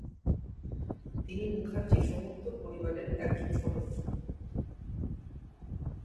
তিনি মুখার্জী-সমর্থ পরিবারের একজন সদস্য।